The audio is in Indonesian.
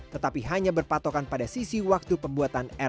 tetapi hanya berpatokan pada sisi waktu pembuatan